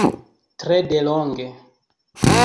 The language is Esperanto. Tre delonge.